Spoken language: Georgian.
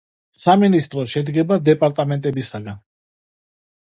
სამინისტრო შედგება დეპარტამენტებისგან.